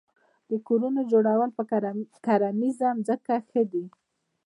د کورونو جوړول په کرنیزه ځمکه ښه دي؟